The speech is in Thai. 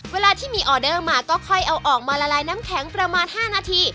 เวลาที่มีออเดอร์มาก็ค่อยเอาออกมาละลายน้ำแข็งประมาณ๕นาที